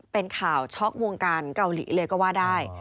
เป็นข่าวช็อกวงการเกาหลีเลยก็ว่าได้